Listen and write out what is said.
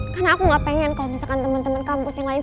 karena aku gak pengen kalau misalkan teman teman kampus yang lain